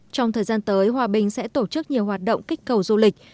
trong thời gian tới hòa bình sẽ tổ chức nhiều hoạt động kích cầu du lịch